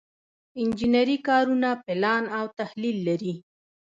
انجنري کارونه پلان او تحلیل لري.